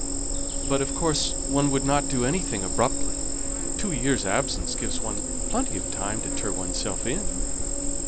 But, of course, one would not do anything abruptly; two years' absence gives one plenty of time to turn oneself in."